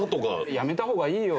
やめた方がいいよ。